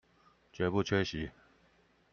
絕不缺席